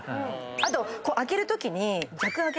あと開けるときに。